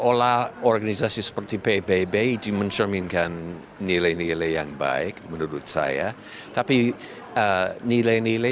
olah organisasi seperti pbb dimencerminkan nilai nilai yang baik menurut saya tapi nilai